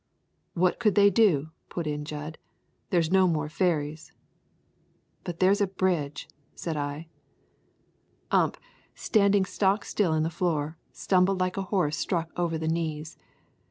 "What could they do?" put in Jud. "There's no more ferries." "But there's a bridge," said I. Ump, standing stock still in the floor, stumbled like a horse struck over the knees.